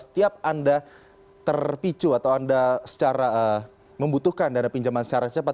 setiap anda terpicu atau anda secara membutuhkan dana pinjaman secara cepat